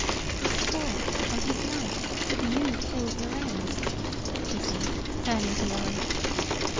"He swore, on his life, that you killed Lorenz," she said, turning to Lorry.